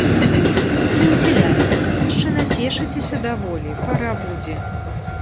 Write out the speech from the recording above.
Кіньце ляльку, яшчэ нацешыцеся даволі, пара будзе.